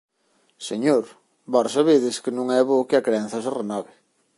Señor, vós sabedes que non é bo que a crenza se renove.